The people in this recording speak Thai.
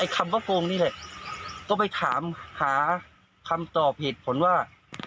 ก็ไปถามหาคำตอบเหตุผลว่า